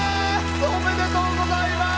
おめでとうございます！